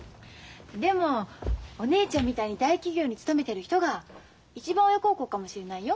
でもお姉ちゃんみたいに大企業に勤めてる人が一番親孝行かもしれないよ。